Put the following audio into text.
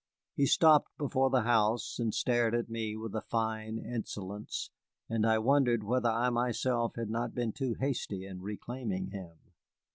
He stopped before the house and stared at me with a fine insolence, and I wondered whether I myself had not been too hasty in reclaiming him.